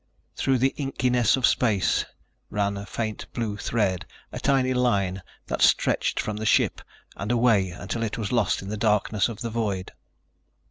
Through the inkiness of space ran a faint blue thread, a tiny line that stretched from the ship and away until it was lost in the darkness of the void.